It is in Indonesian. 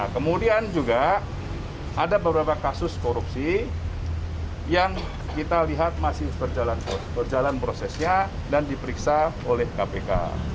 kemudian juga ada beberapa kasus korupsi yang kita lihat masih berjalan prosesnya dan diperiksa oleh kpk